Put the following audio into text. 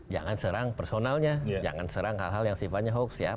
jangan serang personalnya jangan serang hal hal yang sifatnya hoax ya